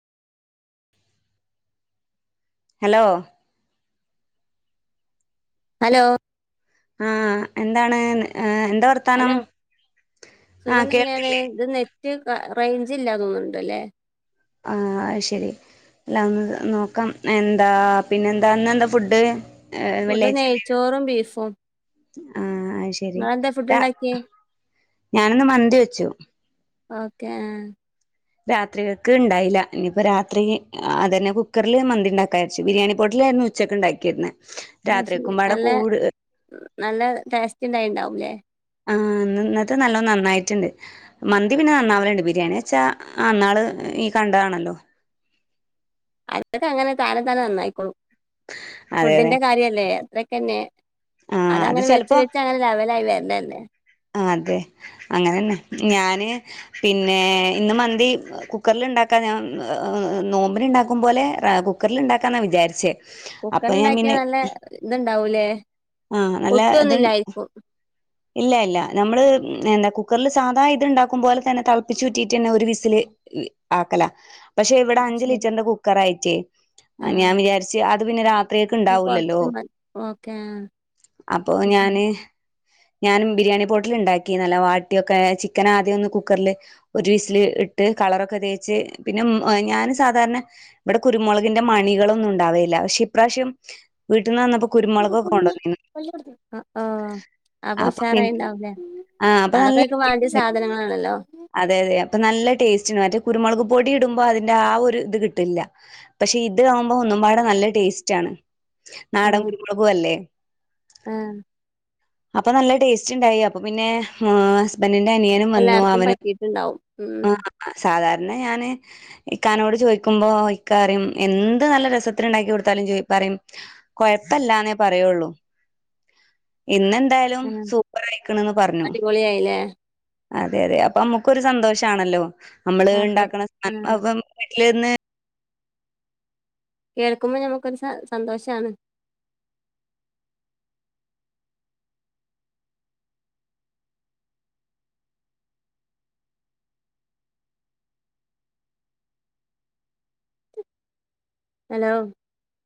hello hello ആ എന്താണ് എന്താ വർത്ത ഹലോ സുഖം തന്നെയാണ് കേൾക്കില്ലേ ഇത് നെറ്റ് റേഞ്ച് ഇല്ലാതോന്നുന്നുണ്ടല്ലേ ആ അയ്ശരി അല്ല ഒന്ന് നോക്കാം എന്താ പിന്നെ എന്താ അന്ന് എന്താ ഫുഡ് ഏ ഫുഡ് വെള്ളാച്ച നെയ്ച്ചോറും ബീഫും ആഹ അയ്ശരി നിങ്ങളെന്താ ഫുഡ് ഉണ്ടാക്കിയേ ഞാനൊന്ന് മന്തി വെച്ചു ഓക്കെ രാത്രികൾക്ക് ഉണ്ടായില്ല ഇനിയിപ്പ രാത്രി അത് തന്നെ കുക്കറിില് മന്തി ഉണ്ടാക്കരിച്ചു ബിരിയാണി പോട്ടിലായിരുന്നു ഉച്ചക്കെ ഉണ്ടാക്കിരുന്ന രാത്രി ഒക്കുമ്പോടെ കൂട് ഉ നല്ല ടേസ്റ്റ് ഉണ്ടായിട്ടുണ്ടാവുംല്ലേ ആ് ഇന്നത്തെ നല്ല നന്നായിട്ടുണ്ട് മന്തി പിന്നെ നന്നാവലുണ്ട് ബിരിയാണി വച്ചാ അന്നാള് ഈ കണ്ടതാണല്ലോ അതൊക്കെ അങ്ങനെ താനെ താനെ നന്നായിക്കോളും അതെ അതെ ഫുഡിന്റെ കാര്യല്ലേ അത്രൊക്കെ തന്നെ ആഹ് അത് അതങ്ങനെ വെച്ച് ചെലപ്പോ വെച്ച് അങ്ങനെ ലവലായി വരണ തല്ലെ അതെ അങ്ങനെന്നെ ഞാന് പിന്നെ ഇന്ന മന്തി കുക്കറൽ ഉണ്ടാക്കാ ഞാൻ നോമ്പിന ഉണ്ടാക്കും പോോലെ കുക്കറിൽുണ്ടാക്കാ ന്നാ വിചാരിച്ചേ അപ്പൊ ഞാൻ കുക്കറിലുണ്ടാക്കിയ പിന്നെ നല്ല ഇതുണ്ടാവൂലേ ആഹ നല്ല ഇത് ഒട്ടുമൊന്നുമില്ലായിരിക്കും ഇല്ല ഇല്ല നമ്മള് എന്താ കുക്കറിൽ സാധാ ഇത്ണ്ടാക്കും പോോലെ തന്നെ ളപ്പിച്ചുുറ്റിട്ട് തന്നെ ഒരു വിസിില് ആക്കല പക്ഷെ ഇവിടെ ആ അഞ്ച് ശരി ലിറ്ററിന്റെ കുക്കറയിട്ടേ ആ ഞാൻ വിചാരിച്ചച്ച് അത് പിന്നെ രാത്രിയൊക്ക ഉണ്ടാവൂില്ലല്ലോ കുറച്ച് മതി ഓക്കെ ആ അപ്പൊ അത് ശരി ഞാന് ഞാനും ബിരിയാണി പോട്ടിൽ ഉണ്ടാക്കി നല്ല വാട്ടിയൊക്കെ ചിക്കന ആദ്യം ഒന്ന് കുക്കറില് ഒരു വിസില് ഇട്ട് കളറൊക്കെ തേച്ച് പിന്നെ ഞാാന് സാധാരണ ഇവിടെ കുരുമുളകിന്റെ മണികളൊന്നും ഉണ്ടാവയില്ല പക്ഷെ ഇപ്രാവശ്യം വീട്ടിൽ നിന്ന് വന്നപ്പം ആഹ അപ്പൊ ഉഷാറായിണ്ടാവല്ലേ ആ അപ്പൊ നല്ല അതൊക്കെ ഒക്കെ വേണ്ടിയ സാധനങ്ങളാണല്ലോ അതെ അതെ അപ്പൊ നല്ല ടേസ്റ്റ്ണ് മറ്റേ കുരുമുളക് പൊടി ഇടുമ്പോ അതിന്റെ ആ ഒരു ഇത് കിട്ടില്ല പക്ഷെ ഇത് ആവുമ്പോ ഒന്നുംപാടെ നല്ല ടേസ്റ്റ് ആണ് ആ നാടൻ കുരുമുളകും അല്ലേ ആ അപ്പൊ നല്ല ടേസ്റ്റ് ഇണ്ടായി അപ്പൊ പിന്നെ ആ ഹസ്ബൻഡിന്റെ അനിയനും വന്നു എല്ലാർക്കും അവനും പറ്റിയിട്ടുണ്ടാവും സാധാരണ ഞാന് ഇക്കാനോട് ചോദിക്കുമ്പോ ഇക്ക അറിയും എന്ത് നല്ല രസത്തി ഉണ്ടാക്കി കൊടുത്താലും ചോയിപ്പ പറയും കൊഴപ്പല്ലാന്നേ പറയുള്ളൂ ഇന്നെന്തായാ ഉം സൂപ്പർയിക്കണന്ന് പറഞ്ഞു അടിപൊളിയായില്ലേ അതെ അതെ അപ്പ നമ്മുക്കൊരു സന്തോഷമാണല്ലോ നമ്മള് അതെ ഉണ്ടാക്കണ സം ആ അപ്പ വീട്ടിൽന്ന് കേൾക്കുമ്പോൾ നമുക്കൊരു സ സന്തോഷാണ് ഹലോ